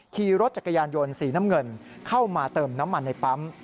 ขี่รถจักรยานยนต์สีน้ำเงินเข้ามาเติมน้ำมันในปั๊ม